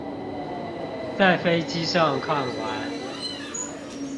在飛機上看完